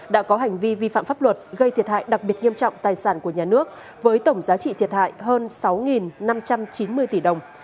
đã có hành vi vi phạm pháp luật gây thiệt hại đặc biệt nghiêm trọng tài sản của nhà nước với tổng giá trị thiệt hại hơn sáu năm trăm chín mươi tỷ đồng